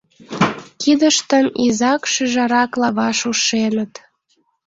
Кидыштым изак-шӱжаракла ваш ушеныт.